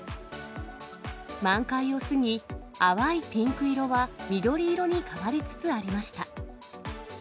満開を過ぎ、淡いピンク色は緑色に変わりつつありました。